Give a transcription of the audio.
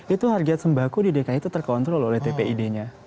itu harga sembako di dki itu terkontrol oleh tpid nya